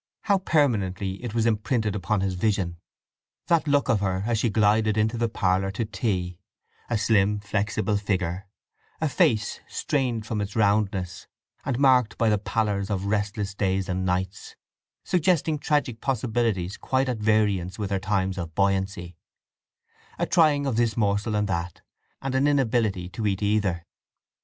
How permanently it was imprinted upon his vision; that look of her as she glided into the parlour to tea; a slim flexible figure; a face, strained from its roundness, and marked by the pallors of restless days and nights, suggesting tragic possibilities quite at variance with her times of buoyancy; a trying of this morsel and that, and an inability to eat either.